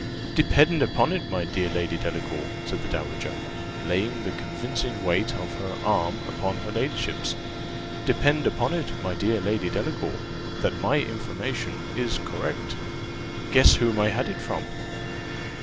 "Depend upon it, my dear Lady Delacour," said the dowager, laying the convincing weight of her arm upon her ladyship's, "depend upon it, my dear Lady Delacour, that my information is correct. Guess whom I had it from."